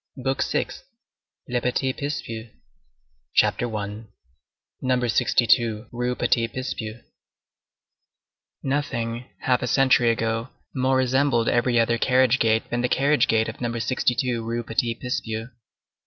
BOOK SIXTH—LE PETIT PICPUS CHAPTER I—NUMBER 62 RUE PETIT PICPUS Nothing, half a century ago, more resembled every other carriage gate than the carriage gate of Number 62 Rue Petit Picpus.